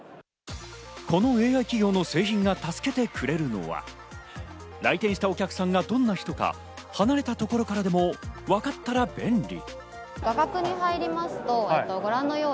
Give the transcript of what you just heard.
このＡＩ企業の製品が助けてくれるのは、来店したお客さんがどんな人か、離れたところからでもわかったら便利。